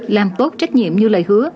làm tốt trách nhiệm như lời hứa